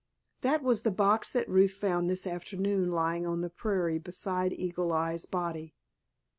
"That was the box that Ruth found this afternoon lying on the prairie beside Eagle Eye's body."